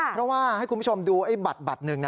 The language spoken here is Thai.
เพราะว่าให้คุณผู้ชมดูไอ้บัตรหนึ่ง